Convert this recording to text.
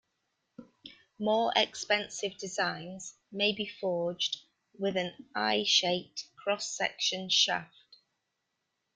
More expensive designs may be forged with an I-shaped cross-section shaft.